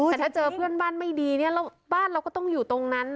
แต่ถ้าเจอเพื่อนบ้านไม่ดีเนี่ยบ้านเราก็ต้องอยู่ตรงนั้น